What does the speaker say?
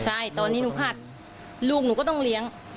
ใช่ตอนนี้หนูขาดลูกหนูก็ต้องเลี้ยง